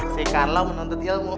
sama ikan lu menuntut ilmu